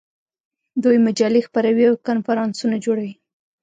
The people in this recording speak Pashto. دوی مجلې خپروي او کنفرانسونه جوړوي.